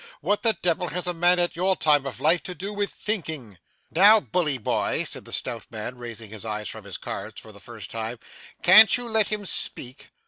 'What the devil has a man at your time of life to do with thinking?' 'Now bully boy,' said the stout man, raising his eyes from his cards for the first time, 'can't you let him speak?